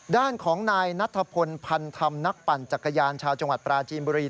ด้านของนายนัทพลพันธรรมนักปั่นจักรยานชาวจังหวัดปราจีนบุรี